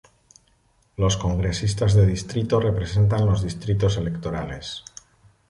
Los congresistas de distrito representan los distritos electorales.